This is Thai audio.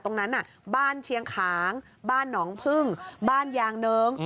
ตรงนั้นบ้านเชียงขางบ้านหนองพึ่งบ้านยางเนิ้ง